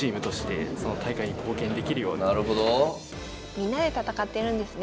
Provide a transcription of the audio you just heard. みんなで戦ってるんですね。